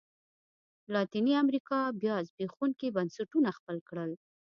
لاتینې امریکا بیا زبېښونکي بنسټونه خپل کړل.